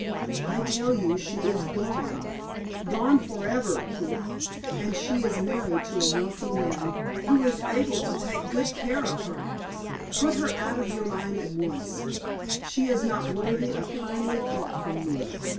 I tell you she is gone gone forever, Keith; and she is married to a wealthy man, who is able to take good care of her. Put her out of your mind at once; she is not worthy a kindly thought from you."